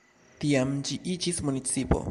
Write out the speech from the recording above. Tiam ĝi iĝis municipo.